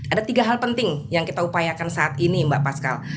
ada tiga hal penting yang kita upayakan saat ini mbak pascal